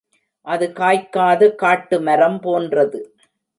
அது காய்க்காத காட்டுமரம் போன்றது.